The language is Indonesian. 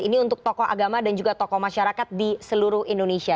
ini untuk tokoh agama dan juga tokoh masyarakat di seluruh indonesia